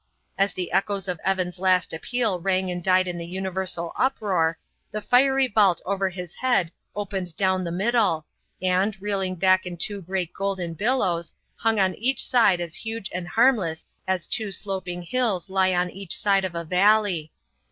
As the echoes of Evan's last appeal rang and died in the universal uproar, the fiery vault over his head opened down the middle, and, reeling back in two great golden billows, hung on each side as huge and harmless as two sloping hills lie on each side of a valley.